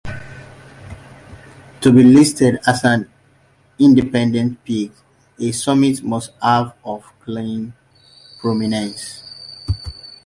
To be listed as an independent peak a summit must have of clean prominence.